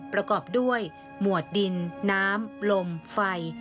ประกอบด้วยหมวดดินน้ำลมไฟ